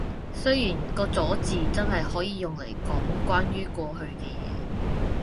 雖然個咗字真係可以用嚟講關於過去嘅嘢